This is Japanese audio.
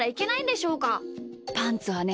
パンツはね